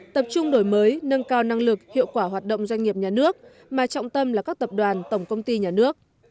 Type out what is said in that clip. tập trung đổi mới nâng cao năng lực hiệu quả hoạt động doanh nghiệp nhà nước mà trọng tâm là các tập đoàn tổng công ty nhà nước